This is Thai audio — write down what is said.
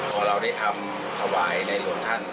พอเราได้ทำถวายในหลวงท่าน